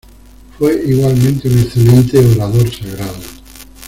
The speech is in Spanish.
Fue igualmente un excelente orador sagrado.